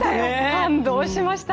感動しました。